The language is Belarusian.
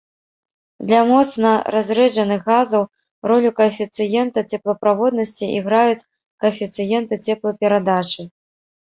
Для моцна разрэджаных газаў ролю каэфіцыента цеплаправоднасці іграюць каэфіцыенты цеплаперадачы.